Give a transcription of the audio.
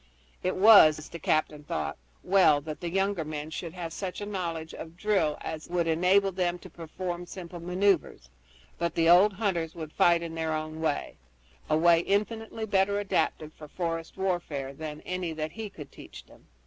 It was, the captain thought, well that the younger men should have such a knowledge of drill as would enable them to perform simple maneuvers, but the old hunters would fight in their own way a way infinitely better adapted for forest warfare than any that he could teach them.